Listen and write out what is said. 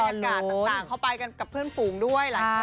เป็นทริปบรรยากาศต่างเข้าไปกันกับเพื่อนฝูงด้วยหลายคนนะคะ